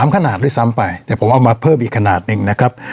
ขนาดด้วยซ้ำไปแต่ผมเอามาเพิ่มอีกขนาดหนึ่งนะครับ